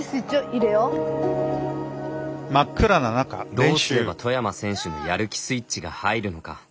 どうすれば外山選手のやる気スイッチが入るのか。